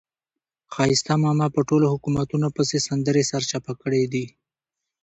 ښایسته ماما په ټولو حکومتونو پسې سندرې سرچپه کړې دي.